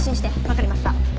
わかりました。